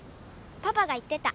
パパが言ってた。